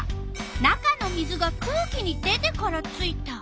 「中の水が空気に出てからついた」。